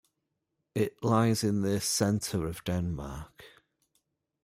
It lies in the center of Denmark.